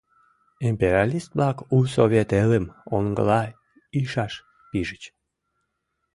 Империалист-влак у Совет элым оҥгыла ишаш пижыч.